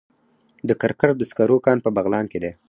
د کرکر د سکرو کان په بغلان کې دی